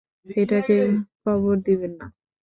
এটাকে কবর দিবেন না?